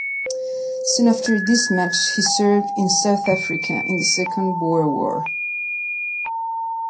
Soon after this match he served in South Africa in the Second Boer War.